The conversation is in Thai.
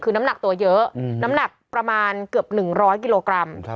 คือน้ำหนักตัวเยอะน้ำหนักประมาณเกือบ๑๐๐กิโลกรัม